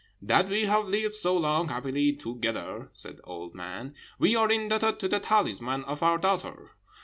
"'That we have lived so long happily together,' said the old man, 'we are indebted to the talisman of our daughter.